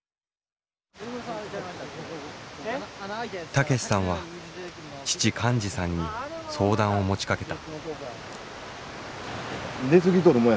武さんは父寛司さんに相談を持ちかけた。